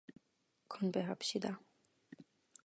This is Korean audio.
건배합시다.